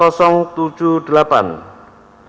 teridentifikasi sebagai am nomor dua ratus tujuh puluh delapan